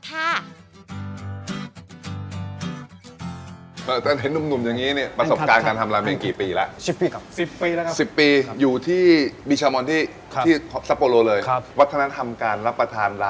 แต่เห็นนุ่มอย่างนี้เนี่ยประสบการณ์การทำราเมงกี่ปีละ